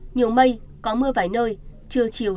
nhiều mây có mưa vài nơi trưa chiều